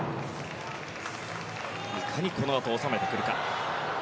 いかにこのあと収めてくるか。